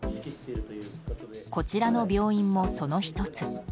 こちらの病院も、その１つ。